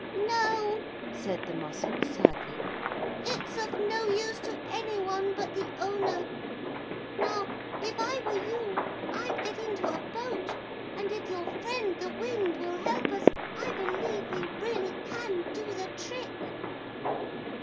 'No,' said the mussel sadly, 'it's of no use to any one but the owner. Now, if I were you, I'd get into a boat, and if your friend the wind will help us, I believe we really can do the trick.'